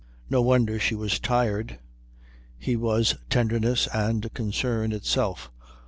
No wonder she was tired. He was tenderness and concern itself.